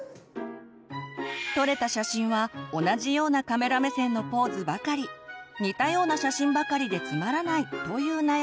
撮れた写真は同じようなカメラ目線のポーズばかり似たような写真ばかりでつまらないという悩みも。